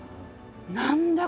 「何だ？